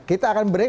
kita akan break